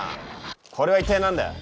これは一体何だ？